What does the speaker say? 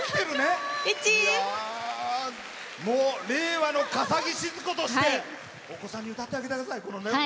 令和の笠置シヅ子としてお子さんに歌ってあげてください。